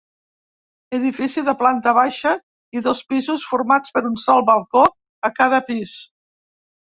Edifici de planta baixa i dos pisos, formats per un sol balcó a cada pis.